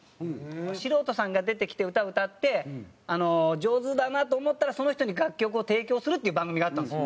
素人さんが出てきて歌歌ってあの上手だなと思ったらその人に楽曲を提供するっていう番組があったんですよ。